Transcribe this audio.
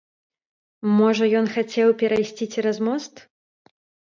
Можа, ён хацеў перайсці цераз мост?